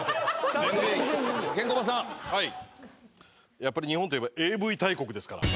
やっぱり日本と言えばＡＶ大国ですから。